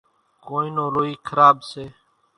ڪونئين نون لوئي کراٻ سي۔